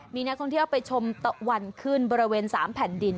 มีนักท่องเที่ยวไปชมตะวันขึ้นบริเวณ๓แผ่นดิน